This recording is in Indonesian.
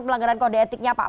tidak ada voting ya pak